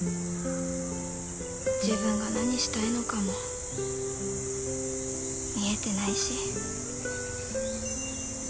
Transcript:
自分が何したいのかも見えてないし。